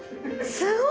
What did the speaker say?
すごい！